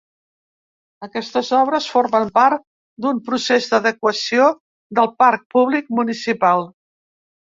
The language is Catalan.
Aquestes obres formen part d’un procés d’adequació del parc públic municipal.